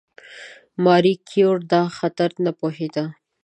ماري کیوري دا خطر نه پوهېده.